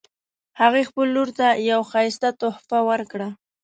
هغې خپل لور ته یوه ښایسته تحفه ورکړه